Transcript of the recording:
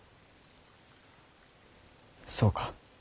そうか。